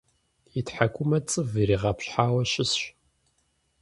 И тхьэкӀумэ цӀыв иригъэпщхьауэ щысщ.